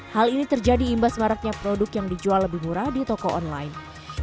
hal ini terjadi imbas maraknya produk yang dijual lebih murah di toko online